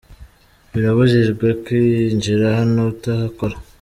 Birabujijwe kwinjira hano utahakora.